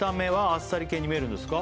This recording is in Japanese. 「あっさり系に見えるんですが」